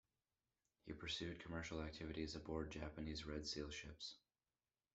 He pursued commercial activities aboard Japanese Red Seal Ships.